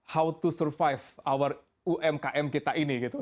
bagaimana memperjuangkan cara untuk bertahan hidup umkm kita ini gitu